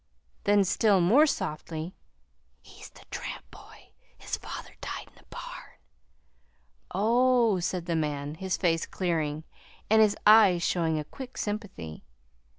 Then, still more softly: "He's the little tramp boy. His father died in the barn." "Oh," said the man, his face clearing, and his eyes showing a quick sympathy.